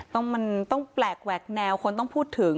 ต้องมันต้องแปลกแหวกแนวคนต้องพูดถึง